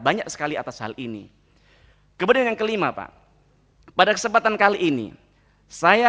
banyak sekali atas hal ini kemudian yang kelima pak pada kesempatan kali ini saya